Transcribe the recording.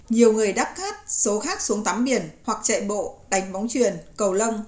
nhiều người đắp khát số khác xuống tắm biển hoặc chạy bộ đánh bóng chuyền cầu lông